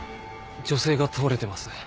女性が倒れてます。